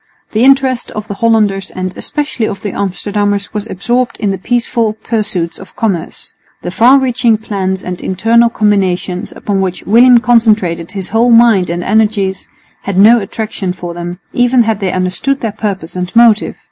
The interest of the Hollanders and especially of the Amsterdammers was absorbed in the peaceful pursuits of commerce. The far reaching plans and international combinations, upon which William concentrated his whole mind and energies, had no attraction for them, even had they understood their purpose and motive.